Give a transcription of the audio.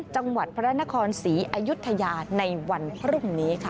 จังหวัดพระนครศรีอยุธยาในวันพรุ่งนี้ค่ะ